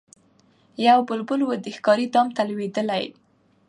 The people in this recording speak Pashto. یو بلبل وو د ښکاري دام ته لوېدلی